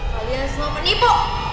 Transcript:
kalian semua menipu